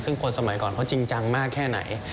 ซึ่งคนสมัยก่อนเขาจริงจังมากแค่ไหน